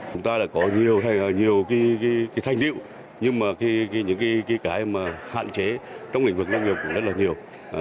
chúng ta có nhiều thanh niệu nhưng mà những cái hạn chế trong lĩnh vực nông nghiệp cũng rất là nhiều